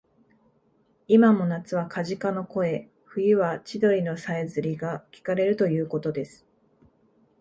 いまも夏はカジカの声、冬は千鳥のさえずりがきかれるということです